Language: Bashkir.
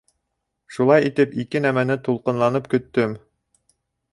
Шулай итеп, ике нәмәне тулҡынланып көттөм.